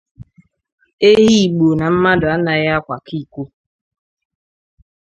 Ehi Igbo na mmadụ anaghị akwàkọ iko